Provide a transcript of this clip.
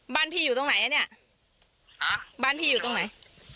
บ้านพี่อยู่ตรงไหนเนี่ยบ้านพี่อยู่ตรงไหน